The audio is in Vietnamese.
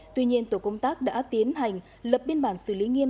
tuy nhiên tổ công tác đã tiến hành lập biên bản xử lý nghiêm